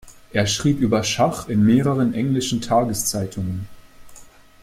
Er schrieb über Schach in mehreren englischen Tageszeitungen.